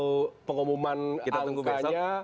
atau pengumuman angkanya